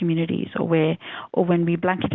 atau ketika kita mengatakan